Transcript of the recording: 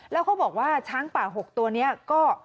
แล้วเขาบอกว่าช้างป่า๖ตัวนี้ก็